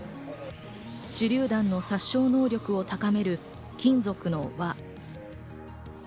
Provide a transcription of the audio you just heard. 手榴弾の殺傷能力を高める金属の輪。